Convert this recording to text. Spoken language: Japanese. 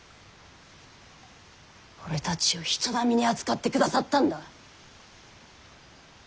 俺たちを人並みに扱ってくださったんだ。